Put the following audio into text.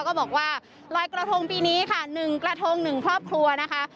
ก็บอกว่ารอยกระทงปีนี้ค่ะหนึ่งกระทงหนึ่งครอบครัวนะคะ